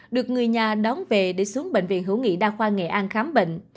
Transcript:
được người nhà đón về để xuống bệnh viện hữu nghị đa khoa nghệ an khám bệnh